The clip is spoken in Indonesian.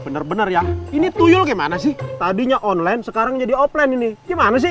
bener bener ya ini toyol gimana sih tadinya online sekarang jadi offline ini gimana sih